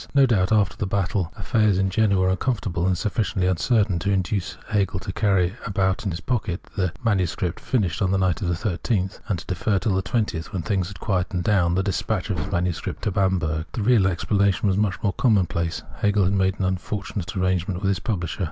No doubt, after the battle, kfiffairs in Jena were uncomfortable, and sufficiently funcertain to induce Hegel to carry about in his pocket the MS. finished on the night of the 13th, and to defer till the 20th, when things had quieted down, the despatch of his MS. to Bamberg. The real explanation was much more commonplace. Hegel had made an unfortunate arrangement with his publisher.